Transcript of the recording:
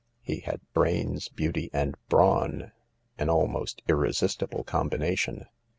He had brains, beauty, and brawn— an almost irresis tible combination.